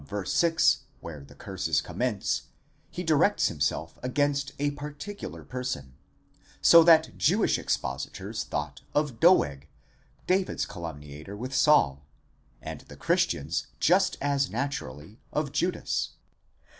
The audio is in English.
6, where the curses commence, he directs himself against a particular person, so that the Jewish expositors thought of Doeg, David's calumniator with Saul, and the Christians just as naturally of Judas.